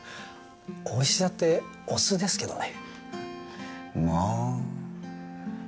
おうし座ってオスですけどね。